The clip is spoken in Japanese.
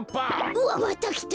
うわっまたきた！